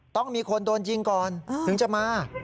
ต้องมีคนโดนยิงก่อนถึงจะมา